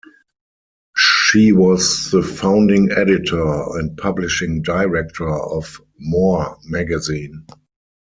She was the founding editor and publishing director of "More" magazine.